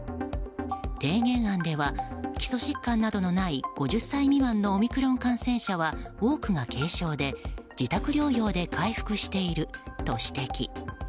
提言案では基礎疾患などのない５０歳未満のオミクロン感染者は多くが軽症で自宅療養で回復していると指摘。